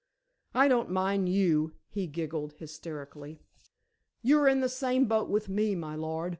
"I don't mind you," he giggled, hysterically. "You're in the same boat with me, my lord.